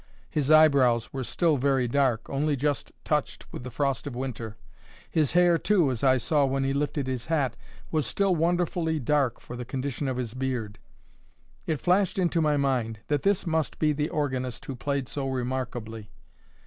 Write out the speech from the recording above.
His eyebrows were still very dark, only just touched with the frost of winter. His hair, too, as I saw when he lifted his hat, was still wonderfully dark for the condition of his beard.—It flashed into my mind, that this must be the organist who played so remarkably.